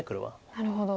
なるほど。